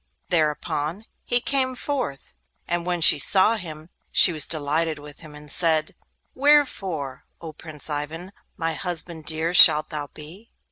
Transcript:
Thereupon he came forth. And when she saw him she was delighted with him, and said: 'Wherefore, O Prince Ivan—my husband dear shalt thou be!